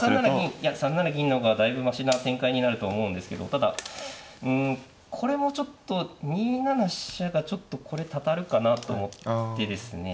いや３七銀の方がだいぶましな展開になると思うんですけどただうんこれもちょっと２七飛車がちょっとこれたたるかなと思ってですね